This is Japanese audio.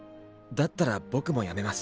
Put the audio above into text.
だったら僕もやめます。